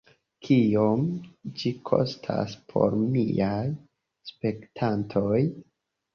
Kiom ĝi kostas por miaj spektantoj?